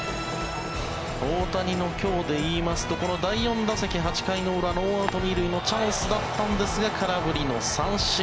大谷の今日でいいますとこの第４打席８回の裏、ノーアウト２塁のチャンスだったんですが空振りの三振。